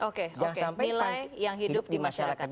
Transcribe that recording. oke nilai yang hidup di masyarakat